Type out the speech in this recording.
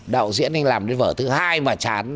đạo diễn anh làm cái vở thứ hai mà chán